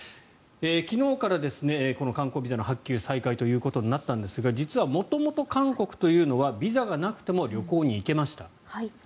昨日から観光ビザの発給が再開ということになったんですが実は元々、韓国というのはビザがなくても旅行に行けました。